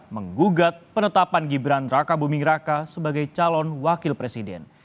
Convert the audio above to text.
menggugat penetapan gibran raka buming raka sebagai calon wakil presiden